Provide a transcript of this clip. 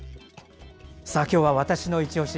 今日は「＃わたしのいちオシ」